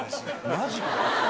マジか。